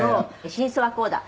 真相はこうだ」